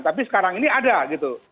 tapi sekarang ini ada gitu